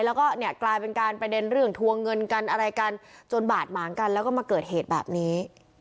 แล้วก็เนี่ยกลายเป็นการประเด็นเรื่องทวงเงินกันอะไรกันจนบาดหมางกันแล้วก็มาเกิดเหตุแบบนี้